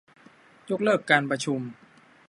ยกเลิกการประชุม